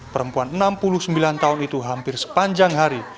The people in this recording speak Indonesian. perempuan enam puluh sembilan tahun itu hampir sepanjang hari